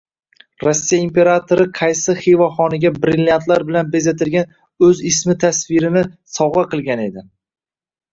Rossiya imperatori qaysi Xiva xoniga brilliantlar bilan bezatilgan oʻz ismi tasvirini sovgʻa qilgan edi?